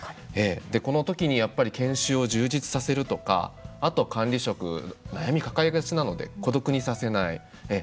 この時に研修を充実させるとかあと管理職、悩み抱えがちなので孤独にさせない。